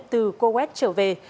từ cô quét trở về